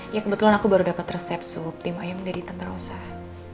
ya kebetulan aku baru dapat resep suhu tim ayam dari tentara usaha